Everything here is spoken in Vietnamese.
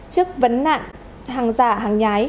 trước vấn nạn hàng giả hàng nhái